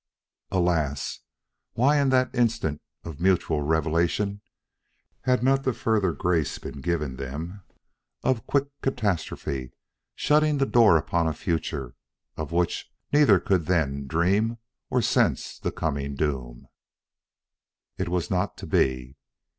Alas! why in that instant of mutual revelation had not the further grace been given them of quick catastrophe shutting the door upon a future of which neither could then dream or sense the coming doom. It was not to be.